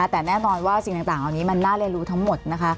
แต่แน่นอนว่าสิ่งต่างอันนี้มันน่าแล่รู้ทั้งหมด